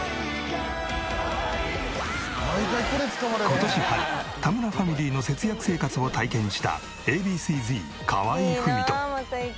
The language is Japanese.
今年春田村ファミリーの節約生活を体験したＡ．Ｂ．Ｃ−Ｚ河合郁人。